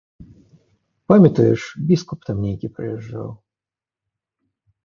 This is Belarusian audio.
Памятаеш, біскуп там нейкі прыязджаў?